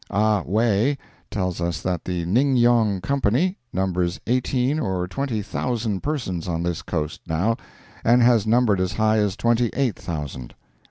Ah Wae tells us that the Ning Yong Company numbers eighteen or twenty thousand persons on this coast, now, and has numbered as high as twenty eight thousand.